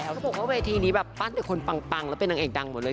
เค้าบอกว่าไว้ทีนี้ปั้นตัวคนปังแล้วเป็นหนังเอกดังหมดเลย